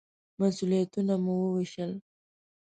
مسوولیتونه مو ووېشل.